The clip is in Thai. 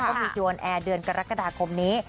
ก็มีดีออนแอร์เดือนกรกฎาคมนี้